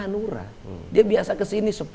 hanura dia biasa kesini